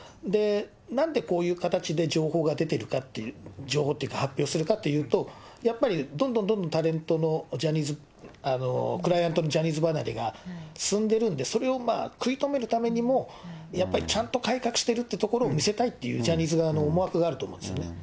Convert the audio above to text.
なんでこういう形で情報が出てるかっていうと、情報っていうか、発表するかっていうと、やっぱりどんどんどんどんタレントのジャニーズ、クライアントのジャニーズ離れが進んでるんで、それを食い止めるためにも、やっぱりちゃんと改革してるというところを見せたいっていう、ジャニーズ側の思惑があると思うんですね。